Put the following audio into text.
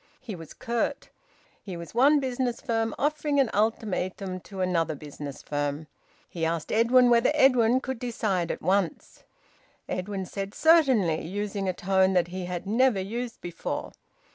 He was curt. He was one business firm offering an ultimatum to another business firm. He asked Edwin whether Edwin could decide at once. Edwin said `Certainly,' using a tone that he had never used before.